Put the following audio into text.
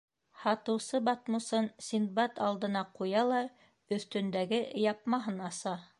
Һатыусы батмусын Синдбад алдына ҡуя ла өҫтөндәге япмаһын аса.